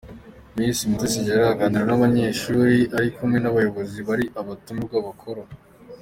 Miss Mutesi Jolly aganira n'abanyeshuri ari kumwe n'aba bayobozi bari abatumirwa bakuru.